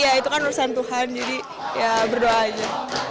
ya itu kan urusan tuhan jadi ya berdoa aja